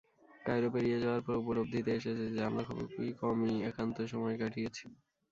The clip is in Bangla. কায়রো পেরিয়ে যাওয়ার পর উপলদ্ধিতে এসেছে যে আমরা খুব কমই একান্তে সময় কাটিয়েছি!